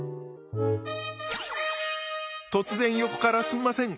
突然横からすんません。